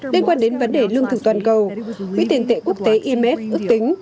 liên quan đến vấn đề lương thực toàn cầu quỹ tiền tệ quốc tế imf ước tính